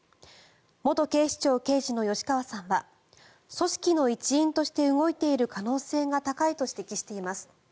元警視庁刑事の吉川さんは組織の一員として動いている可能性が高いと指摘しています。